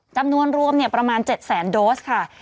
จำนวนรวมประมาณ๗แสนโดสค่ะ